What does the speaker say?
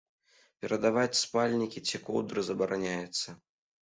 Перадаваць спальнікі ці коўдры забараняецца.